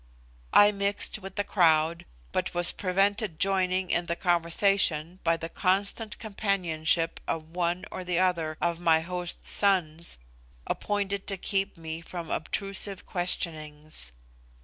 I mixed with the crowd, but was prevented joining in the conversation by the constant companionship of one or the other of my host's sons, appointed to keep me from obtrusive questionings.